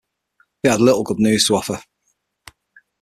They had little good news to offer.